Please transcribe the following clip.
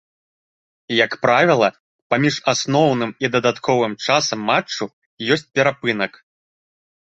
Як правіла, паміж асноўным і дадатковым часам матчу ёсць перапынак.